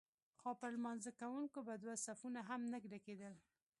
خو پر لمانځه کوونکو به دوه صفونه هم نه ډکېدل.